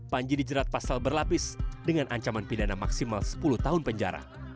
panji dijerat pasal berlapis dengan ancaman pidana maksimal sepuluh tahun penjara